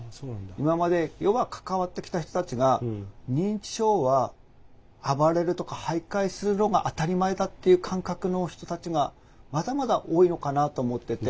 今まで要は関わってきた人たちが認知症は暴れるとか徘徊するのが当たり前だっていう感覚の人たちがまだまだ多いのかなと思ってて。